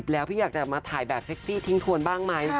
แล้วพี่อยากจะมาถ่ายแบบเซ็กซี่ทิ้งทวนบ้างไหม